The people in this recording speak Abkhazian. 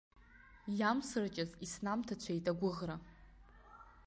Иамсырҷаз иснамҭацәеит агәыӷра.